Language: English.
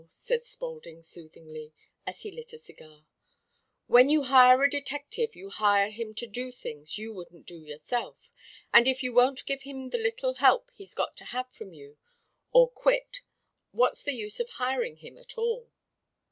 said Spaulding soothingly, as he lit a cigar. "When you hire a detective you hire him to do things you wouldn't do yourself; and if you won't give him the little help he's got to have from you or quit, what's the use of hiring him at all?